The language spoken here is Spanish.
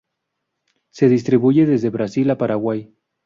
Se distribuye desde Brasil a Paraguay.